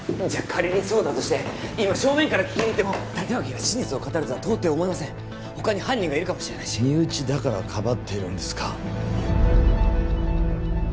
仮にそうだとして今正面から聞きにいっても立脇が真実を語るとは到底思えません他に犯人がいるかもしれないし身内だからかばってるんですか？